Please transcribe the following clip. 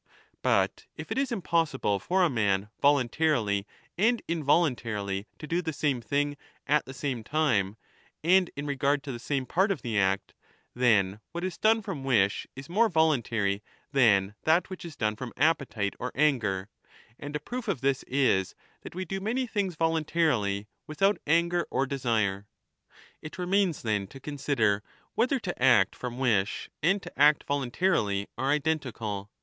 But if it is impossible for a man voluntarily and 25 involuntarily to do the same thing ^ at the same time, and in regard to "^ the same part of the act, then what is done from wish is more voluntary than that which is done from appetite or anger ; and a proof of this is that we do many things voluntarily without anger or desire. It remains then to consider whether to act from wish 30 and to act voluntarily are identical.